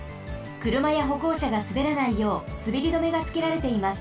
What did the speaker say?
くるまやほこうしゃがすべらないようすべり止めがつけられています。